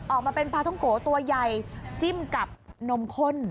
ออกมาเป็นปลาท้องโกตัวใหญ่จิ้มกับนมข้น